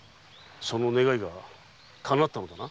その願いがかなったのだな。